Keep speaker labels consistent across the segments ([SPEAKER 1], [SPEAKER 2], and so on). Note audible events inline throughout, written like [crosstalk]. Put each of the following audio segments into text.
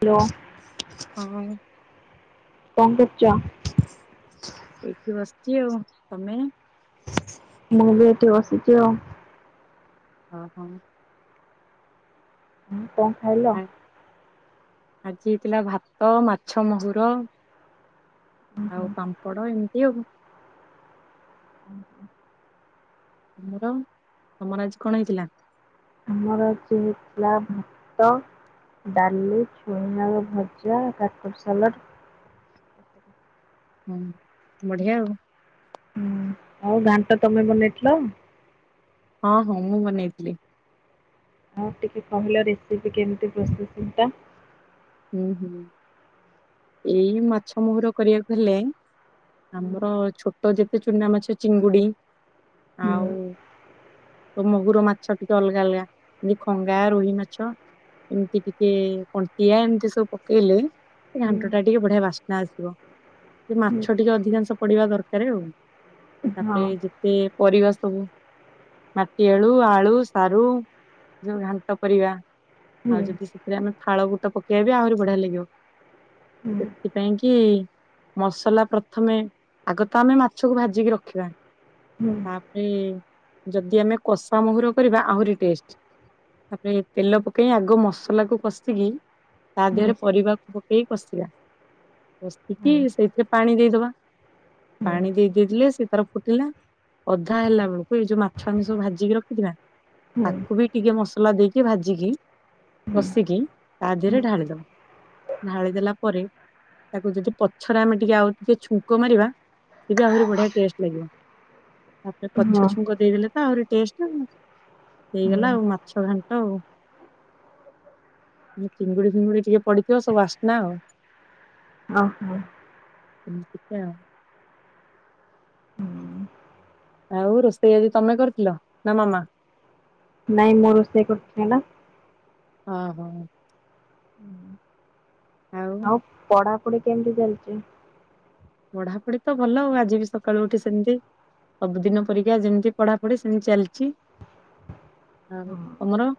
[SPEAKER 1] Hello.
[SPEAKER 2] କଣ କହିଲେ?
[SPEAKER 1] କଣ କରୁଛ?
[SPEAKER 2] ଏଇଠି ବସିଛି ଆଉ ତମେ?
[SPEAKER 1] ମୁଁ ବି ଏଠି ବସିଛି ଆଉ।
[SPEAKER 2] ଓ ହଁ।
[SPEAKER 1] ହଁ କଣ ଖାଇଲ?
[SPEAKER 2] ଆ- ଆଜି ହେଇଥିଲା ଭାତ ମାଛ ମହୁର। ଆଉ ପାମ୍ପଡ଼ ଏମିତି ଆଉ।
[SPEAKER 1] ହୁଁ ହଁ।
[SPEAKER 2] ତମର ତମର ଆଜି କଣ ହେଇଥିଲା?
[SPEAKER 1] ଆମର ଆଜି ହେଇଥିଲା ଭାତ ଡାଲି ଛୁଇଁଆଳୁ ଭଜା କାକୁଡି ସାଲାଟ।
[SPEAKER 2] ହଁ ବଢିଆ ଆଉ।
[SPEAKER 1] ହୁଁ ଆଉ ଘାଣ୍ଟ ତମେ ବନେଇଥିଲ।
[SPEAKER 2] ହଁ ହଁ ମୁଁ ବନେଇ ଥିଲି।
[SPEAKER 1] ହଉ ଟିକେ କହିଲ ରେସିପି କେମିତି ପ୍ରୋସେସିଙ୍ଗ ଟା?
[SPEAKER 2] ହୁଁ ହୁଁ। ଏଇ ମାଛ ମହୁର କରିବାକୁ ହେଲେ,
[SPEAKER 1] ହୁଁ
[SPEAKER 2] ଆମର ଛୋଟ ଯେତେ ଚୁନାମାଛ ଚିଙ୍ଗୁଡି ଆଉ
[SPEAKER 1] ହୁଁ
[SPEAKER 2] ତ ମହୁର ମା ଛ ଟିକେ ଅଲଗା ଅଲଗା। ଏଇ ଖଙ୍ଗା, ରୋହି ମାଛ, ଏମିତି ଟିକେ କଣ୍ଟିଆ। ସେ ସବୁ ପକେଇଲେ ଏ ଘାଣ୍ଟଟା ଟିକେ ବଢିଆ ବାସ୍ନା ଆସିବ। ସେ
[SPEAKER 1] ହୁଁ
[SPEAKER 2] ମାଛ ଟିକେ ଅଧିକାଂଶ ପଡିବା ଦରକାର ଆଉ।
[SPEAKER 1] ହଁ
[SPEAKER 2] ତାପରେ ଯେତେ ପରିବା ସବୁ ମାଟି ଆଳୁ, ଆଳୁ, ସାରୁ ଯୋଉ ଘାଣ୍ଟ ପରିବା।
[SPEAKER 1] ହୁଁ
[SPEAKER 2] ଆଉ ଯଦି ସେଥିରେ ଆମେ ଫାଳ ବୁଟ ପକେଇବେ ଆହୁରି ବଢିଆ ଲାଗିବ।
[SPEAKER 1] ହୁଁ ହୁଁ
[SPEAKER 2] ସେ ପାଇଁକି, ମସଲା ପ୍ରଥମେ, ଆଗ ତ ଆମେ ମାଛକୁ ଭାଜିକି ରଖିବା।
[SPEAKER 1] ହୁଁ
[SPEAKER 2] ତାପରେ ଯଦି ଆମେ କଷା ମହୁର କରିବା ଆହୁରି ଟେଷ୍ଟ। ତାପରେ ତେଲ ପକେଇ ଆଗ ମସଲାକୁ କଷିକି ତା
[SPEAKER 1] ହୁଁ
[SPEAKER 2] ଦେହରେ ପରିବାକୁ ପକେଇ କଷିବା।
[SPEAKER 1] ହୁଁ
[SPEAKER 2] କଷିକି ସେଇଥିରେ ପାଣି ଦେଇଦବା।
[SPEAKER 1] ହୁଁ
[SPEAKER 2] ପାଣି ଦେଇ ଦେଇଥିଲେ ସେ ତାର ଫୁଟିଲା। ଅଧା ହେଲା ବେଳକୁ ଏଇ ଯୋଉ ମାଛ ଆମେ ସବୁ ଭାଜିକି ରଖିଥିବା,
[SPEAKER 1] ହୁଁ
[SPEAKER 2] ତାକୁ ବି ଟିକେ ମସଲା ଦେଇକି, ଭାଜିକି,
[SPEAKER 1] ହୁଁ
[SPEAKER 2] କଷିକି ତା ଦେହରେ ଢାଳିଦବା। ଢାଳି ଦେଲା ପରେ, ତାକୁ ଯଦି ପଛରେ ଆମେ ଟିକେ ଆଉ ଟିକେ ଛୁଙ୍କ ମାରିବା, ସେ ବି ଆହୁରି ବଢିଆ ଟେଷ୍ଟ ଲାଗିବ। ତାପରେ
[SPEAKER 1] ହଁ
[SPEAKER 2] ପଛ ଛୁଙ୍କ ଦେଇଦେଲେ ତ ଆହୁରି ଟେଷ୍ଟ
[SPEAKER 1] ହୁଁ
[SPEAKER 2] ହେଇଗଲା ଆଉ। ମାଛ ଘାଣ୍ଟ ଆଉ। ଦି ଚିଙ୍ଗୁଡି ଫିଙ୍ଗୁଡି ଟିକେ ପଡିଥିବ ସବୁ ବାସ୍ନା ଆଉ।
[SPEAKER 1] ଓହୋ।
[SPEAKER 2] ଏମିତିକା। ଆଉ ରୋଷେଇ ଆଜି ତମେ କରିଥିଲ ନା ମାମା?
[SPEAKER 1] ନାଇଁ ମୁଁ ରୋଷେଇ କରିଥିଲି ନା।
[SPEAKER 2] ହଁ ହଁ।
[SPEAKER 1] ନା। ଆଉ ପଢାପଢି କେମିତି ଚାଲିଛି?
[SPEAKER 2] ପଢାପଢି ତ ଭଲ। ଆଉ ଆଜି ବି ସକାଳୁ ଉଠି ସେମିତି। ସବୁଦିନ ପରିକା ଯେମିତି ପଢାପଢି ସେମିତି ଚାଲିଛି। ଆଉ ତମର?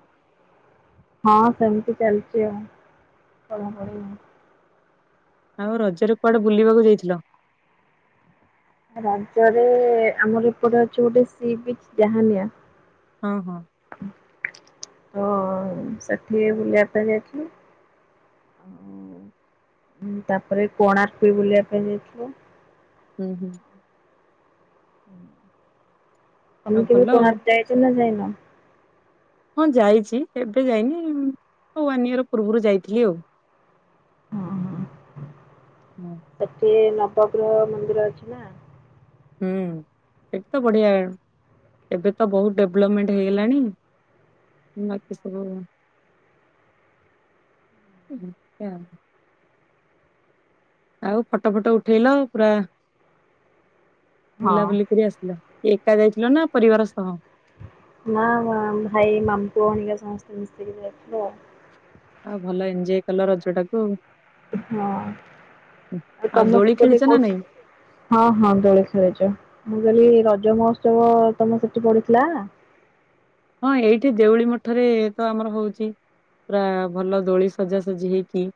[SPEAKER 1] ହଁ ସେମିତି ଚାଲିଛି ଆଉ। ପଢାପଢି।
[SPEAKER 2] ଆଉ ରଜରେ କୁଆଡେ ବୁଲିବାକୁ ଯାଇଥିଲ?
[SPEAKER 1] ରଜରେ, ଆମର ଏପଟେ ଅଛି ଗୋଟେ ସିବିଚ ଯାହାନିଆ।
[SPEAKER 2] ହଁ ହଁ।
[SPEAKER 1] ହଁ ସେଠି ବୁଲିବା ପାଇଁ ଯାଇଥିଲୁ। ଉଁ ତାପରେ କୋଣାର୍କ ବି ବୁଲିବା ପାଇଁ ଯାଇଥିଲୁ।
[SPEAKER 2] ହୁଁ ହୁଁ। ଆଉ
[SPEAKER 1] ତମେ କେବେ
[SPEAKER 2] ଭଲ ଆଉ
[SPEAKER 1] କୋଣାର୍କ ଯାଇଛ ନା ଯାଇନ?
[SPEAKER 2] ହଁ ଯାଇଛି। ଏବେ ଯାଇନି। ଉଁ-ୱାନ୍ ଇୟର ପୂର୍ବରୁ ଯାଇଥିଲି ଆଉ। ହୁଁ।
[SPEAKER 1] ସେଠି ନବଗ୍ରହ ମନ୍ଦିର ଅଛି ନା?
[SPEAKER 2] ହୁଁ। ସେଠି ତ ବଢିଆ। ଏବେ ତ ବହୁତ ଡେଭଲପମେଣ୍ଟ ହେଇଗଲାଣି। ବାକି ସବୁ ଅମିତ୍ ଆଉ ଆଉ ଫଟୋ ଫଟ ଉଠେଇଲ ପୁରା।
[SPEAKER 1] ହଁ
[SPEAKER 2] ବୁଲାବୁଲି ଫେରି ଆସିଲ। ଏକା ଯାଇଥିଲ ନା ପରିବାର ସହ?
[SPEAKER 1] ନା ଭାଇ, ମାମୁଁ ପୁଅ ହେରିକା ସମସ୍ତେ ମିଶିକି ଯାଇଥିଲୁ ଆଉ।
[SPEAKER 2] ଆଉ ଭଲ ଏଞ୍ଜୟ କଲ ରଜଟାକୁ ଆଉ।
[SPEAKER 1] ହଁ। ଆଉ
[SPEAKER 2] ଆଉ
[SPEAKER 1] ତମ
[SPEAKER 2] ଦୋଳି ଖେଳିଛ
[SPEAKER 1] ସେପଟେ
[SPEAKER 2] ନା ନାଇଁ
[SPEAKER 1] କଉଠି ହଁ ହଁ ଦୋଳି ଖେଳିଚୁ। ମୁଁ କହିଲି ରଜ ମହୋତ୍ସବ ତମ ସେଠି ପଡିିଥିଲା?
[SPEAKER 2] ହଁ ଏଇଠି ଦେଉଳି ମଠରେ ତ ଆମର ହଉଛି। ପୁରା ଭଲ ଦୋଳି ସଜାସଜି ହେଇକି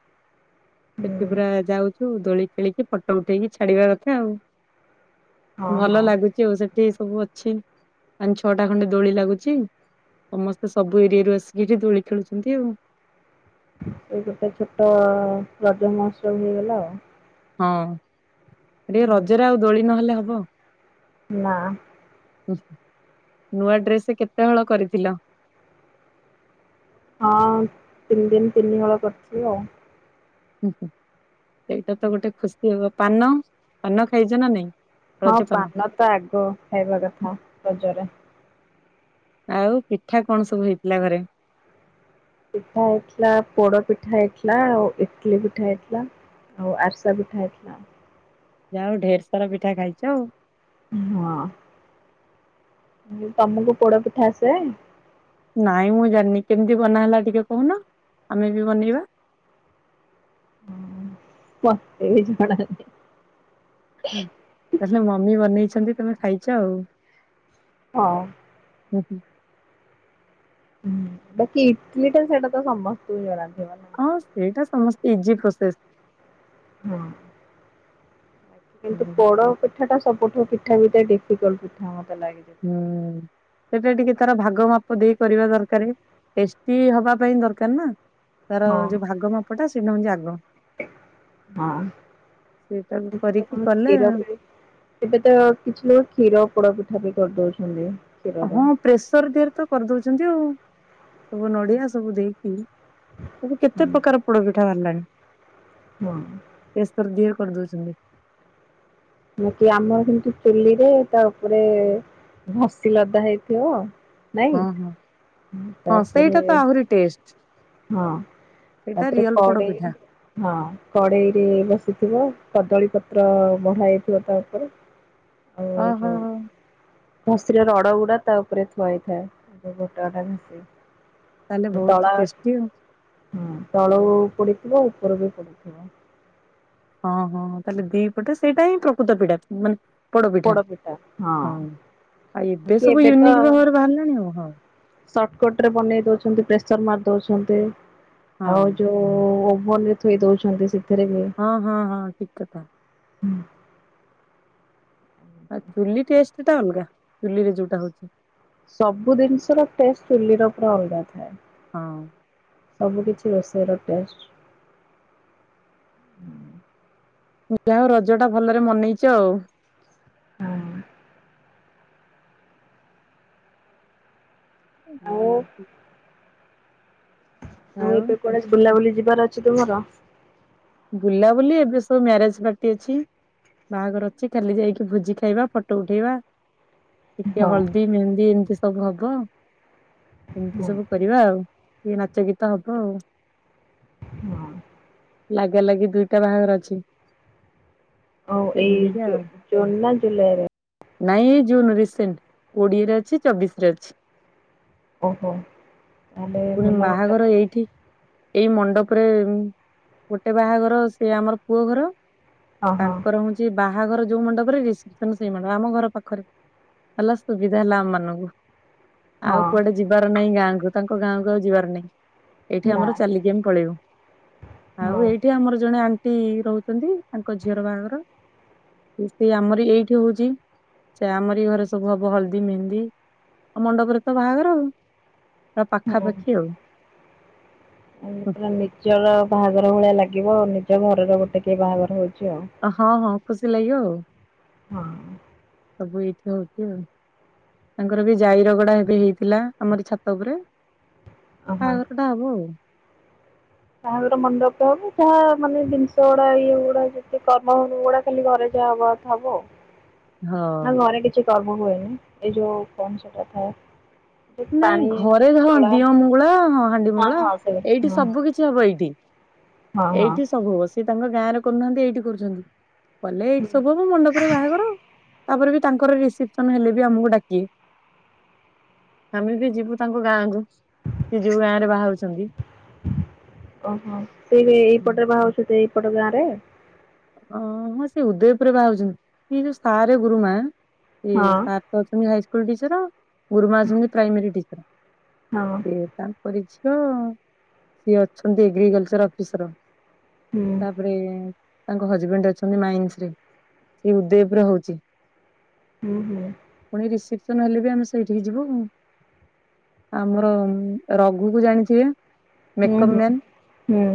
[SPEAKER 1] ହୁଁ
[SPEAKER 2] ସେଠି ପୁରା ଯାଉଛୁ। ଦୋଳି ଖେଳିକି ଫଟୋ ଉଠେଇକି ଛାଡିବା କଥା ଆଉ।
[SPEAKER 1] ହଁ
[SPEAKER 2] ଭଲ
[SPEAKER 1] ହଁ
[SPEAKER 2] ଲାଗୁଛି ଆଉ ସେଠି ସବୁ ଅଛି। ପାଞ୍ଚ ଛଅଟା ଖଣ୍ଡେ ଦୋଳି ଲାଗୁଛି। ସମସ୍ତେ ସବୁ ଏରିଆରୁ ଆସିକି ଏଠି ଦୋଳି ଖେଳୁଛନ୍ତି ଆଉ।
[SPEAKER 1] ଏ ଗୋଟେ ଛୋଟ ରଜ ମହୋତ୍ସବ ହେଇଗଲା ଆଉ।
[SPEAKER 2] ହଁ, ଟିକେ ରଜରେ ଆଉ ଦୋଳି ନହେଲେ ହବ।
[SPEAKER 1] ନା।
[SPEAKER 2] ଉହୁୁ ନୂଆ ଡ୍ରେସ କେତେ ହଳ କରିଥିଲ?
[SPEAKER 1] ହଁ, ତିନି ଦିନ ତିନି ହଳ କରିଥିଲି ଆଉ।
[SPEAKER 2] ହୁଁ ହୁଁ ସେଇଟା ତ ଗୋଟେ ଖୁସି ହବ। ପାନ ପାନ ଖାଇଛ ନା ନାଇଁ?
[SPEAKER 1] ହଁ,
[SPEAKER 2] ରଜପାନ
[SPEAKER 1] ପାନ ତ ଆଗ ଖାଇବା କଥା ରଜରେ।
[SPEAKER 2] ଆଉ ପିଠା କଣ ସବୁ ହେଇଥିଲା ଘରେ?
[SPEAKER 1] ପିଠା ହେଇଥିଲା, ପୋଡ ପିଠା ହେଇଥିଲା, ଆଉ ଇଟିଲି ପିଠା ହେଇଥିଲା। ଆଉ ଆରିସା ପିଠା ହେଇଥିଲା।
[SPEAKER 2] ଯାହା ଆଉ ଢେରସାରା ପିଠା ଖାଇଛ ଆଉ।
[SPEAKER 1] ହଁ। ତମକୁ ପୋଡ ପିଠା ଆସେ?
[SPEAKER 2] ନାଇଁ ମୁଁ ଜାଣିନି, କେମିତି ବନାହେଲା ଟିକେ କହୁନ ଆମେ ବି ବନେଇବା?
[SPEAKER 1] ହୁଁ ମୋତେ ବି ଜଣା ନାହିଁ।
[SPEAKER 2] ହୁଁ ତାହେଲେ ମମି ବନେଇଛନ୍ତି ତମେ ଖାଇଛ ଆଉ।
[SPEAKER 1] ହଁ।
[SPEAKER 2] ହୁଁ ହୁଁ।
[SPEAKER 1] ହୁଁ, ବାକି ଇଟିଲି ଟା ସେଇଟା ତ ସମସ୍ତଙ୍କୁ ଜଣାଥିଵ।
[SPEAKER 2] ହଁ ସେଇଟା ସମସ୍ତେ ଇଜି ପ୍ରୋସେସ।
[SPEAKER 1] ହଁ। କିନ୍ତୁ, ପୋଡ ପିଠାଟା ସବୁଠୁ ପିଠା ଭିତରେ ଡିଫିକଲଟ ପିଠା ମତେ ଲାଗେ। ଯେତିକି।
[SPEAKER 2] ହୁଁ। ସେଟା ଟିକେ ତାର ଭାଗ ମାପ ଦେଇ କରିବା ଦରକାର। ଟେସ୍ଟି ହବା ପାଇଁ ଦରକାର ନା? ତାର
[SPEAKER 1] ହଁ
[SPEAKER 2] ଯୋଉ ଭାଗ ମାପଟା ସେଇଟା ହଉଛି ଆଗ।
[SPEAKER 1] ହଁ
[SPEAKER 2] ସେଇଟାକୁ
[SPEAKER 1] କୀର
[SPEAKER 2] କରିକି କଲେ
[SPEAKER 1] [unintelligible] ଏବେ ତ କିଛି ନାହିଁ, କ୍ଷୀର ପୋଡ ପିଠା ବି କରିଦଉଛନ୍ତି। କ୍ଷୀରରେ।
[SPEAKER 2] ହଁ ପ୍ରେସର ଦେହରେ ତ କରିଦଉଛନ୍ତି ଆଉ। ସବୁ ନଡିଆ ସବୁ ଦେଇକି ସବୁ କେତେ
[SPEAKER 1] ହୁଁ
[SPEAKER 2] ପ୍ରକାର ପୋଡ ପିଠା ବାହାରିଲାଣି?
[SPEAKER 1] ହଁ।
[SPEAKER 2] ପ୍ରେସର୍ ଦିଏ କରିଦଉଛନ୍ତି।
[SPEAKER 1] ମୁଁ କିଏ ଆମର କିନ୍ତୁ ଚୁଲୁରେ ରେ ତା ଉପରେ ଘସି ଲଦା ହେଇଥିବ। ନାଇଁ
[SPEAKER 2] ହଁ ହଁ ହଁ
[SPEAKER 1] ତାପରେ
[SPEAKER 2] ସେଇଟା ତ ଆହୁରି ଟେଷ୍ଟ।
[SPEAKER 1] ହଁ
[SPEAKER 2] ସେଇଟା
[SPEAKER 1] ତାପରେ
[SPEAKER 2] ରିଅଲ ପୋଡ
[SPEAKER 1] କଡ଼େଇ
[SPEAKER 2] ପିଠା
[SPEAKER 1] ହଁ, କଡ଼େଇରେ ବସିଥିବ କଦଳୀ ପତ୍ର ବଢ ଥିବତା ଉପରେ ଆଉ
[SPEAKER 2] ଓହୋ
[SPEAKER 1] ଯୋଉ ଖସି ରଡଗୁଡା ତା ଉପରେ ଥୁଆ ହେଇଥାଏ [unintelligible]
[SPEAKER 2] ତାହେଲେ ବହୁତ
[SPEAKER 1] ତଳ
[SPEAKER 2] ଟେଷ୍ଟି ଆଉ।
[SPEAKER 1] ହୁଁ ତଳୁ ପୋଡିଥିବ ଉପର ବି ପୋଡିଥିବ।
[SPEAKER 2] ହଁ ହଁ, ତାହେଲେ ଦି ପଟେ ସେଇଟା ହିଁ ପ୍ରକୃତ ପୀଡା ମାନେ ପୋଡ଼ପିଠା
[SPEAKER 1] ପୋଡ ପିଠା
[SPEAKER 2] ହଁ, ଆଉ ଏବେ
[SPEAKER 1] କି
[SPEAKER 2] ସବୁ
[SPEAKER 1] ତ
[SPEAKER 2] ୟୁନିକ୍ ଭବରେ ବାହାରିଲାଣି ଆଉ ହଁ।
[SPEAKER 1] ସର୍ଟକଟ ରେ ବନେଇ ଦୋଉଛନ୍ତି, ପ୍ରେସର ମାରି ଦୋଉଛନ୍ତି। ଆଉ
[SPEAKER 2] ହଁ
[SPEAKER 1] ଯୋଉ ଓଭନ ରେ ଥୋଇ ଦୋଉଚନ୍ତି ସେ
[SPEAKER 2] ହଁ ହଁ ହଁ, ଠିକ କଥା।
[SPEAKER 1] ହୁଁ।
[SPEAKER 2] ଆଉ ଚୁଲି ଟେଷ୍ଟ ଟା ଅଲଗା, ଚୁଲିରେ ଯୋଉଟା ହୋଉଚି।
[SPEAKER 1] ସବୁ ଜିନିଷର ଟେଷ୍ଟ ଚୁଲି ର ପୁରା ଅଲଗା ଥାଏ।
[SPEAKER 2] ହଁ।
[SPEAKER 1] ସବୁକିଛି ରୋଷେଇର ଟେଷ୍ଟ
[SPEAKER 2] ଯା ହୋଉ ରଜ ଟା ଭଲରେ ମନେଇଚ ଆଉ।
[SPEAKER 1] ହଁ।
[SPEAKER 2] ଆଉ [unintelligible]
[SPEAKER 1] ଆଉ ଏବେ କୁଆଡେ ବୁଲାବୁଲି ଯିବାର ଅଛି ତମର?
[SPEAKER 2] ବୁଲାବୁଲି ଏବେ ସବୁ ମ୍ୟାରେଜ ପାର୍ଟି ଅଛି। ବାହାଘର ଅଛି ଖାଲି ଯାଇକି ଭୋଜି ଖାଇବା ଫଟୋ ଉଠେଇବା। ଟିକେ
[SPEAKER 1] ହଁ
[SPEAKER 2] ହଳଦୀ ମେହେନ୍ଦୀ ଏମିତି ସବୁ ହବ
[SPEAKER 1] ହଁ
[SPEAKER 2] ଏମତି ସବୁ। କରିବା ଆଉ କିଏ ନାଚ ଗୀତ ହବ ଆଉ।
[SPEAKER 1] ହଁ।
[SPEAKER 2] ଲାଗା ଲାଗି ଦୁଇଟା ବାହାଘର ଅଛି।
[SPEAKER 1] ଆଉ
[SPEAKER 2] ସେମିତିକା
[SPEAKER 1] ଏଇ
[SPEAKER 2] ଆଉ।
[SPEAKER 1] ଜୋନା ଜୁଲାଇ ରେ।
[SPEAKER 2] ନାଇଁ ଏ ଜୁନ ରିସେଣ୍ଟ କୋଡିଏରେ ଅଛି ଚବିଶ ରେ ଅଛି।
[SPEAKER 1] ଓହୋ ତାହେଲେ
[SPEAKER 2] ପୁଣି
[SPEAKER 1] ଭଲ ଗୋଟେ
[SPEAKER 2] ବାହାଘର
[SPEAKER 1] ହଁ
[SPEAKER 2] ଏଇଠି ଏଇ ମଣ୍ଡପରେ ଗୋଟେ ବାହାଘର ସେ ଆମର ପୁଅ ଘର
[SPEAKER 1] ହଁ
[SPEAKER 2] ତାଙ୍କର ହୋଉଚି ସେ ବାହାଘର ଯୋଉ ମଣ୍ଡପରେ ରିସେପସନ ସେଇ ମଣ୍ଡପ ଆମ ଘର ପାଖରେ। ହେଲା ସୁବିଧା ହେଲା ଆମ ମାନଙ୍କୁ। ଆଉ
[SPEAKER 1] ହଁ
[SPEAKER 2] କୁଆଡେ ଯିବାର ନାହିଁ ଗାଁକୁ ତାଙ୍କ ଗାଁକୁ ଆଉ ଯିବାର ନାହିଁ। ଏଇଠି
[SPEAKER 1] ନା
[SPEAKER 2] ଆମର ଚାଲିକି ଆମେ ପଳେଇବୁ। ଆଉ
[SPEAKER 1] ହଁ
[SPEAKER 2] ଏଇଠି ଆମର ଜଣେ ଆଣ୍ଟି ରହୁଚନ୍ତି ତାଙ୍କ ଝିଅର ବାହାଘର। ସେ ଆମର ଏଇଠି ହୋଉଚି ସେ ଆମର ଏଇ ଘରେ ସବୁ ହବ ହଳଦୀ ମେହେନ୍ଦି। ଆଉ ମଣ୍ଡପରେ ତ ବାହାଘର ଆଉ। ପୁରା
[SPEAKER 1] ହଁ।
[SPEAKER 2] ପାଖାପାଖି ଆଉ
[SPEAKER 1] ପୁରା ନିଜର ବାହାଘର ଭଳିଆ ଲାଗିବ ଆଉ ନିଜ ଘରର ଗୋଟେ କିଏ ବାହାଘର ହୋଉଚି ଆଉ।
[SPEAKER 2] ହଁ ହଁ ଖୁସି ଲାଗିବ, ଆଉ
[SPEAKER 1] ହଁ
[SPEAKER 2] ସବୁ ଏଇଠି ହୋଉଚି ଆଉ। ତାଙ୍କର ବି ଜାଇରଗଡା ଏବେ ହେଇଥିଲା ଆମର ଛାତ ଉପରେ।
[SPEAKER 1] ଅହ।
[SPEAKER 2] [unintelligible]
[SPEAKER 1] ତାହାଙ୍କର ମଣ୍ଡପ ହବ ଯାହା ମାନେ ଜିନିଷ ଗୁଡା ଇଏ ଗୁଡା ଯଦି କର୍ମ ହବଗୁଡା ଖାଲି ଘରେ ଯାହା ହବ। ହବ।
[SPEAKER 2] ହଁ
[SPEAKER 1] ନା ଘରେ କିଛି କର୍ମ ହୁଏନି ଏଇ ଯୋଉ କ ସେଟା ଥାଏ
[SPEAKER 2] ନାଇଁ
[SPEAKER 1] ପାଣି
[SPEAKER 2] ଘରେ ହଁ
[SPEAKER 1] ତୋଳା
[SPEAKER 2] ଦିଅ ମୁଙ୍ଗୁଳା ହଁ ହାଣ୍ଡି ମୁଙ୍ଗଳା
[SPEAKER 1] ହଁ ସେ
[SPEAKER 2] ଏଇଠି
[SPEAKER 1] ହଁ
[SPEAKER 2] ସବୁ କିଛି ହବ ଏଇଠି।
[SPEAKER 1] ହଁ ହଁ
[SPEAKER 2] ଏଇଠି
[SPEAKER 1] ହଁ।
[SPEAKER 2] ସବୁ ହବ ସିଏ ତାଙ୍କ ଗାଁ ରେ କରୁନାହାନ୍ତି ଏଇଠି କରୁଚନ୍ତି। କଲେ ଏଇଠି ସବୁ ହବ ମଣ୍ଡପରେ ବାହାଘର ତାପରେ ବି ତାଙ୍କର ରିସେପସନ ହେଲେ ବି ଆମକୁ ଡାକିବେ। ଆମେ ବି ଯିବୁ ତାଙ୍କ ଗାଁକୁ, ସେ ଯୋଉ ଗାଁ ରେ ବାହାହଉଛନ୍ତି।
[SPEAKER 1] ଓହୋ, ସେ ଏଇପଟରେ ବାହାହାଉଛନ୍ତି, ଏଇପଟ ଗାଁ ରେ।
[SPEAKER 2] ଅ ହଁ ସେ ହଦୟ ଉପରେ ବାହାହଉଛନ୍ତି, ସେ ଯୋଉ ସାରେ ଗୁରୁମା ସେ
[SPEAKER 1] ହଁ
[SPEAKER 2] ଅଛନ୍ତି ହାଇସ୍କୁଲ ଟିଚର, ଗୁରୁମା ଅଛନ୍ତି ପ୍ରାଇମେରୀ ଟିଚର
[SPEAKER 1] ହଁ।
[SPEAKER 2] ସିଏ। ତାଙ୍କରି ଝିଅ, ସିଏ ଅଛନ୍ତି ଏଗ୍ରିକଲଚର ଅଫିସର।
[SPEAKER 1] ହୁଁ
[SPEAKER 2] ତାପରେ ତାଙ୍କ ହଜବେଣ୍ଡ ଅଛନ୍ତି ମାଇନ୍ସ ରେ, ସେ ଉଦୟବ ର ହଉଛି।
[SPEAKER 1] ହୁଁ ହୁଁ।
[SPEAKER 2] ପୁଣି ରିସେପସନ ହେଲେ ବି ଆମେ ସେଇଠିକି ଯିବୁ ଆମର। ରଘୁ କୁ ଜାଣିଥିବେ
[SPEAKER 1] ହୁଁ
[SPEAKER 2] ମେକପ
[SPEAKER 1] ହୁଁ
[SPEAKER 2] ମାନ୍।
[SPEAKER 1] ହୁଁ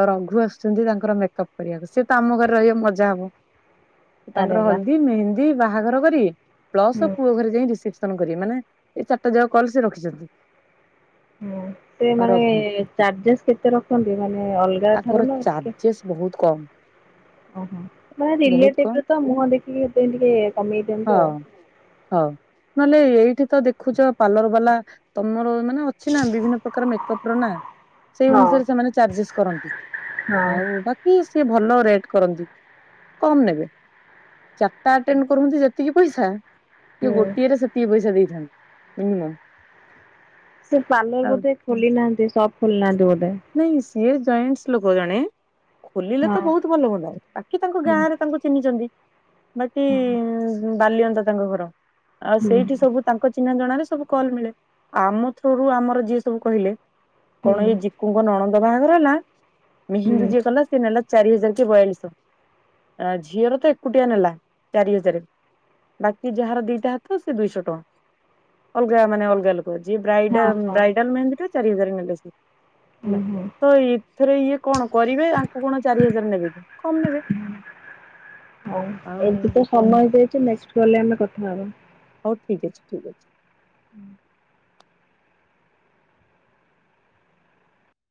[SPEAKER 2] ଆଉ ରଘୁ ଆସୁଛନ୍ତି ତାଙ୍କର ମେକଅପ୍ କରିବାକୁ, ସିଏ ତ ଆମ ଘରେ ରହିବା ମଜା ହବ।
[SPEAKER 1] ଆରେ
[SPEAKER 2] ତାଙ୍କର
[SPEAKER 1] ବା
[SPEAKER 2] ହଳଦୀ ମେହେନ୍ଦୀ ବାହାଘର କରିବେ ପ୍ଲସ
[SPEAKER 1] ହୁଁ
[SPEAKER 2] ପୁଅ ଘରେ ଯାଇ ରିସେପସନ କରିବେ ମାନେ ଏଇ ଚାରିଟାଯାକ କଲ ସେ ରଖିଛନ୍ତି।
[SPEAKER 1] ହୁଁ ସେ
[SPEAKER 2] ଆଉ
[SPEAKER 1] ମାନେ
[SPEAKER 2] ରଘୁ
[SPEAKER 1] ଚାର୍ଜେସ୍ କେତେ ରଖନ୍ତି, ମାନେ ଅଲଗା
[SPEAKER 2] ତାଙ୍କର
[SPEAKER 1] ଠାରୁ ନା ଟିକେ
[SPEAKER 2] ଚାର୍ଜେସ୍ ବହୁତ କମ୍।
[SPEAKER 1] ଓହୋ, ମାନ ରିଲେ
[SPEAKER 2] କମ
[SPEAKER 1] ଟାଇପରେ ତ ମୁହଁ ଦେଖିକି ସେ ଟିକେ କମେଇ ଦିଅନ୍ତି ଆଉ।
[SPEAKER 2] ହଁ, ନହେଲେ ଏଇଠି ତ ଦେଖୁଛ ପାର୍ଲର ବାଲା ତମର ମାନେ ଅଛି ନା, ବିଭିନ୍ନ ପ୍ରକାର ମେକପ ର ନା ସେଇ
[SPEAKER 1] ହଁ
[SPEAKER 2] ଅନୁସାରେ ସେମାନେ ଚାର୍ଜେସ୍ କରନ୍ତି।
[SPEAKER 1] ହଁ
[SPEAKER 2] ହଉ [unintelligible] କି ସି ଭଲ ରେଟ୍ କରନ୍ତି କମ ନେବେ ଚାରିଟାଟେଣ୍ଡ କରନ୍ତି। ସେତିକି ପଇସା କି
[SPEAKER 1] ହୁଁ
[SPEAKER 2] ଗୋଟିଏରେ ସେତିକି ପଇସା ଦେଇଥାନ୍ତି [unintelligible]
[SPEAKER 1] ସେ ପାର୍ଲର
[SPEAKER 2] ଆଉ
[SPEAKER 1] ବୋଧେ ଖୋଲି ନାହାନ୍ତି, ସପ ଖୋଲି ନାହାନ୍ତି ବୋଧେ।
[SPEAKER 2] ନାଇଁ ସିଏ ଜଏଣ୍ଟସ ଲୋକ ଜଣେ। ଖୋଲିଲେ
[SPEAKER 1] ହଁ
[SPEAKER 2] ତ ବହୁତ ଭଲ ହୁଅନ୍ତା, ବାକି ତାଙ୍କ ଗାଁ
[SPEAKER 1] ହଁ
[SPEAKER 2] ରେ ତାଙ୍କୁ ଚିହ୍ନିଛନ୍ତି। ବାକି
[SPEAKER 1] ହଁ
[SPEAKER 2] ବାଲିଅନ୍ତା ତାଙ୍କ ଘର, ଆଉ
[SPEAKER 1] ହୁଁ।
[SPEAKER 2] ସେଇଠି ସବୁ। ତାଙ୍କ ଚିହ୍ନ ଜଣାରେ ସବୁ କଲ ମିଳେ, ଆମ ଥରୁୁ ଆମର ଯିଏ ସବୁ କହିଲେ କଣ
[SPEAKER 1] ହୁଁ
[SPEAKER 2] ଇ କୁଙ୍କ ନଣନ୍ଦ ବାହାଘର ହେଲା,
[SPEAKER 1] ହୁଁ
[SPEAKER 2] ମେହେନ୍ଦୀ ଯିଏ କଲା ସିଏ ନେଲା ଚାରି ହଜାର କି ବୟାଳିଶ। ଝିଅର ତ ଏକୁଟିଆ ନେଲା ଚାରି ହଜାର। ବାକି ଯାହାର ଦିଟା ହାତ ସେ ଦୁଇଶହ ଟଙ୍କା। ଅଲଗା ମାନେ ଅଲଗା ଲୋକ। ଯ ବ
[SPEAKER 1] ହଁ ହଁ
[SPEAKER 2] ବ୍ରାଇଡାଲ ମେ ଚାରି ହଜାର ନେଲେ ସେ
[SPEAKER 1] ହୁଁ
[SPEAKER 2] ହେଲା
[SPEAKER 1] ହୁଁ
[SPEAKER 2] ତ ଥରେ ଇଏ କଣ କରିବେ ଆଙ୍କୁ କଣ ଚାରି ହଜାର ନେବେ କି? କମ ନେବେ। ଆଉ
[SPEAKER 1] ଏମତି ତ ସମୟ ହେଇ ଯାଇଛି, ନେକ୍ସଟ କଲରେ ଆମେ କଥା ହବା।
[SPEAKER 2] ହଉ ଠିକ ଅଛି, ଠିକ୍ ଅଛି।